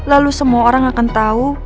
lalu semua orang akan tahu